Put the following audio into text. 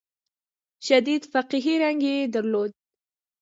شدید فقهي رنګ یې درلود.